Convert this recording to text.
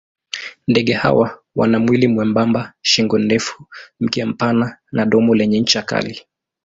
Ndege hawa wana mwili mwembamba, shingo ndefu, mkia mpana na domo lenye ncha kali.